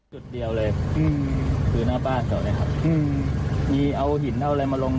จุดเดียวเลยคือหน้าบ้านเจ้าเนี้ยครับมีเอาหินเอาอะไรมาลง